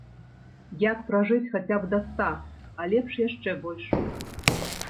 Як пражыць хаця б да ста, а лепш яшчэ больш?